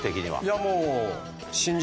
いやもう。